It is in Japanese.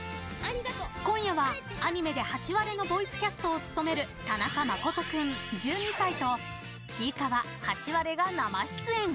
今夜はアニメでハチワレのボイスキャストを務める田中誠人君１２歳とちいかわ、ハチワレが生出演。